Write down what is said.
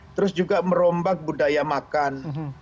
terus juga merombak budaya makan